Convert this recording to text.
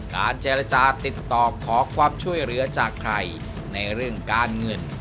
การเจรจาติดต่อขอความช่วยเหลือจากใครในเรื่องการเงิน